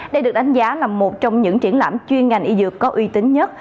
đây được đánh giá là một trong những triển lãm chuyên ngành y dược có uy tín nhất